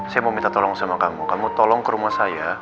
saya mau minta tolong sama kamu kamu tolong ke rumah saya